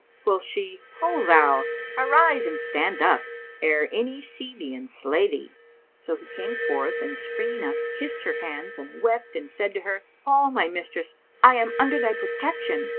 Quoth she, "Ho, thou! Arise and stand up, ere any see thee and slay thee." So he came forth and springing up kissed her hands and wept and said to her, "O my mistress, I am under thy protection!"